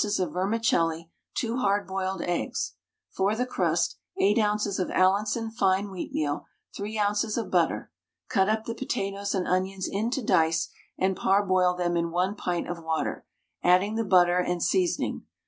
of vermicelli, 2 hard boiled eggs. For the crust, 8 oz. of Allinson fine wheatmeal, 3 oz. of butter. Cut up the potatoes and onions into dice, and parboil them in 1 pint of water, adding the butter and seasoning.